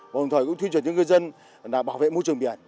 hồng thời cũng tuyên truyền cho ngư dân bảo vệ môi trường biển